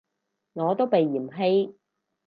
我都被嫌棄